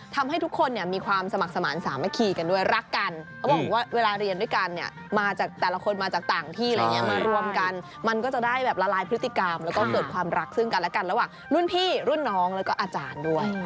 ทำให้ทุกคนเนี่ยมีความสมัครสมาธิสามัคคีกันด้วยรักกันเขาบอกว่าเวลาเรียนด้วยกันเนี่ยมาจากแต่ละคนมาจากต่างที่อะไรอย่างนี้มารวมกันมันก็จะได้แบบละลายพฤติกรรมแล้วก็เกิดความรักซึ่งกันและกันระหว่างรุ่นพี่รุ่นน้องแล้วก็อาจารย์ด้วย